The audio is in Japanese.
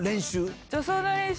助走の練習？